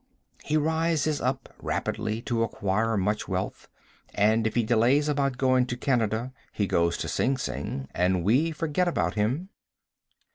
He rises up rapidly to acquire much wealth, and if he delays about going to Canada he goes to Sing Sing, and we forget about him.